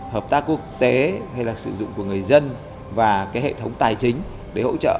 hợp tác quốc tế hay là sử dụng của người dân và cái hệ thống tài chính để hỗ trợ